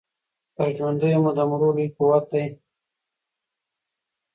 تر ژوندیو مو د مړو لوی قوت دی